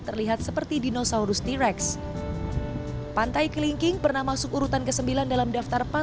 ombak asli dari t rex belakang application